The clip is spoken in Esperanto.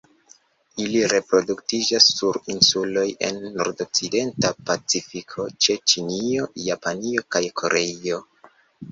Ili reproduktiĝas sur insuloj en nordokcidenta Pacifiko ĉe Ĉinio, Japanio kaj Koreio.